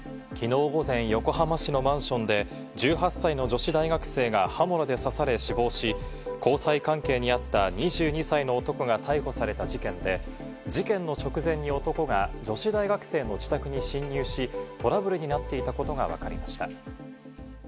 きのう午前、横浜市のマンションで１８歳の女子大学生が刃物で刺され死亡し、交際関係にあった２２歳の男が逮捕された事件で、事件の直前に男が、女子大学生の自宅に侵入し、トラブルになっていたことがわかりました。